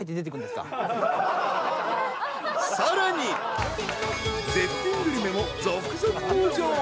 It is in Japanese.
更に、絶品グルメも続々登場。